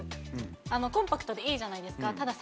コンパクトでいいじゃないですか。